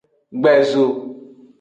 Gbezo.